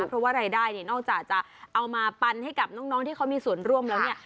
เพราะว่ารายได้เนี่ยนอกจากจะเอามาปันให้กับน้องที่เขามีส่วนร่วมแล้วเนี่ย